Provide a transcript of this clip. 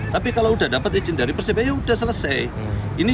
tapi kalau sudah dapat izin dari persebaya sudah selesai